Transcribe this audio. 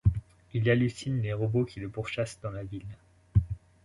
Il hallucine les robots qui le pourchassent dans la ville.